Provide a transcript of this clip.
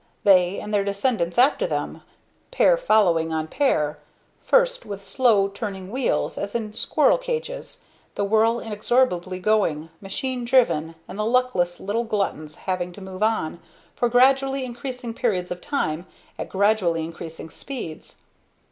They, and their descendants after them, pair following on pair; first with slow turning wheels as in squirrel cages, the wheel inexorably going, machine driven, and the luckless little gluttons having to move on, for gradually increasing periods of time, at gradually increasing speeds.